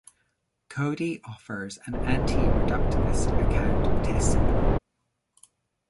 Coady offers an anti-reductivist account of testimony.